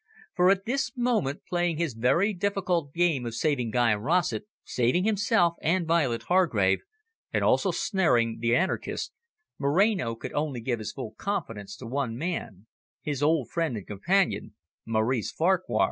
For at this moment, playing his very difficult game of saving Guy Rossett, saving himself and Violet Hargrave, and also snaring the anarchists, Moreno could only give his full confidence to one man, his old friend and companion, Maurice Farquhar.